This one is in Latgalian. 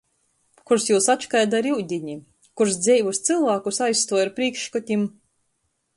Kurs jūs atškeida ar iudini. Kurs dzeivus cylvākus aizstuoj ar prīškstotim?